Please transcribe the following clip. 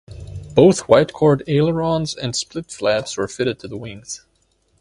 Both wide-chord ailerons and split-flaps were fitted to the wings.